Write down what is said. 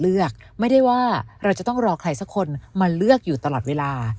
เลือกไม่ได้ว่าเราจะต้องรอใครสักคนมาเลือกอยู่ตลอดเวลา